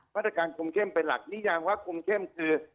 มาตรการคุมเข้มเป็นหลักนิยามว่าคุมเข้มคือ